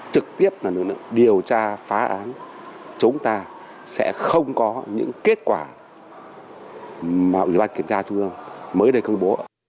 trực tiếp là lực lượng điều tra phá án chúng ta sẽ không có những kết quả mà ủy ban kiểm tra trung ương mới đây công bố